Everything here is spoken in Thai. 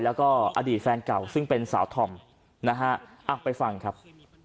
แล้วก็อดีตแฟนเก่าซึ่งเป็นสาวธอมนะฮะไปฟังครับ